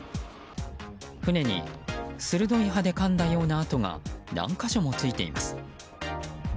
船に、鋭い歯でかんだような跡が何か所もついています。